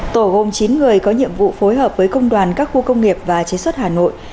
tổ gồm chín người có nhiệm vụ phối hợp với công đoàn các khu công nghiệp và chế xuất hà nội